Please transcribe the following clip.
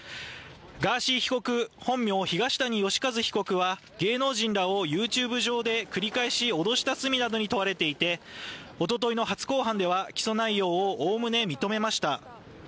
ガーシー被告、本名・東谷義和被告は芸能人らをＹｏｕＴｕｂｅ上で繰り返し脅した罪などに問われていておとといの初公判では起訴内容を概ね認めました。